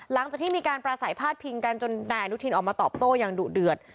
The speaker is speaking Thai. หลังจากที่มีการประสัยพาดพิงกันจนนายอนุทินออกมาตอบโต้อย่างดุเดือด